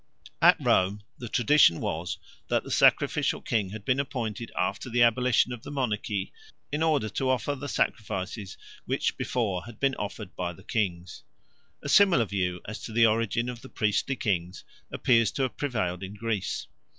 At Rome the tradition was that the Sacrificial King had been appointed after the abolition of the monarchy in order to offer the sacrifices which before had been offered by the kings. A similar view as to the origin of the priestly kings appears to have prevailed in Greece.